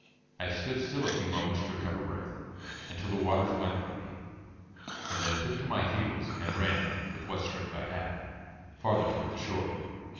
I stood still a few moments to recover breath, and till the waters went from me, and then took to my heels and ran with what strength I had farther toward the shore.